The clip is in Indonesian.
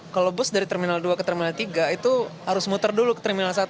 kalau bus dari terminal dua ke terminal tiga itu harus muter dulu ke terminal satu